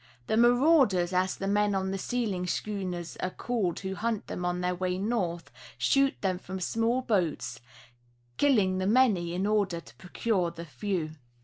The "marauders," as the men on the sealing schooners are called who hunt them on their way north, shoot them from small boats, killing the many in order to procure the few.